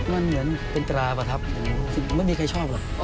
มันเหมือนเป็นตราประทับไม่มีใครชอบหรอก